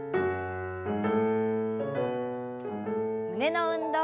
胸の運動。